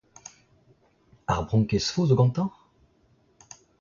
Ar bronkezfo zo gantañ ?